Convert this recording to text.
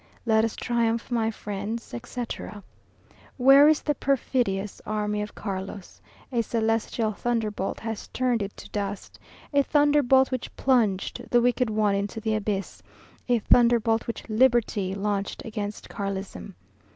Let us triumph, my friends, etc. Where is the perfidious Army of Carlos? A celestial thunderbolt Has turned it to dust A thunderbolt which plunged The wicked one into the abyss A thunderbolt which Liberty Launched against Carlism.